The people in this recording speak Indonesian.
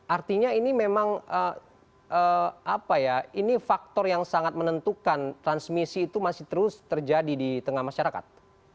artinya ini memang apa ya ini faktor yang sangat menentukan transmisi itu masih terus terjadi di tengah masyarakat